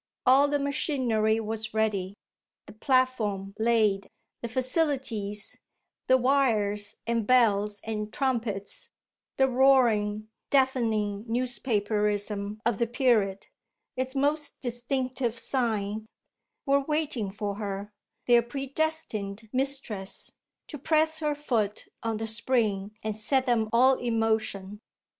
All the machinery was ready, the platform laid; the facilities, the wires and bells and trumpets, the roaring, deafening newspaperism of the period its most distinctive sign were waiting for her, their predestined mistress, to press her foot on the spring and set them all in motion.